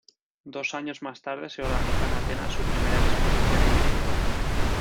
Dos años más tarde se organizó en Atenas su primera exposición individual.